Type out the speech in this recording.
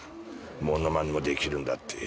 ものまねもできるんだっていう。